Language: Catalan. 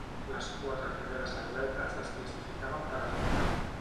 Les quatre primeres atletes es classificaven per a la final.